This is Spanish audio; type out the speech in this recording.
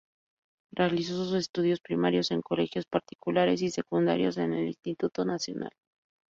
Realizó sus estudios primarios en colegios particulares y secundarios en el Instituto Nacional.